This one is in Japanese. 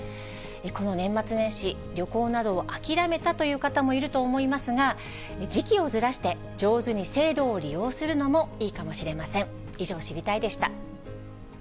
この年末年始、旅行などを諦めたという方もいると思いますが、時期をずらして、上手に制度を利用するのもいいかもしれません。